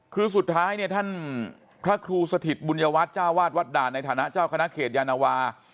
คือสุดท้ายเนี่ยท่านพระครูสถิตบุญยวัตรเจ้าวาดวัดด่านในฐานะเจ้าคณะเขตยานวา